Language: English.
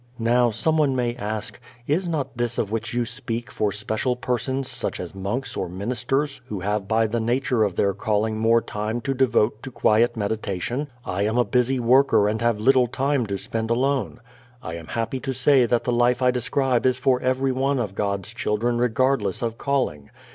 Now, someone may ask, "Is not this of which you speak for special persons such as monks or ministers who have by the nature of their calling more time to devote to quiet meditation? I am a busy worker and have little time to spend alone." I am happy to say that the life I describe is for everyone of God's children regardless of calling.